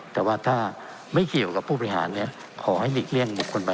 แต่ว่าถ้าไม่เขียวกับผู้บริหารเนี่ย